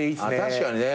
確かにね。